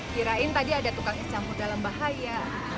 kirain tadi ada tukang es campur dalam bahaya